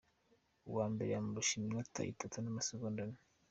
Uwa mbere amurusha iminota itatu n’amasegonda ane.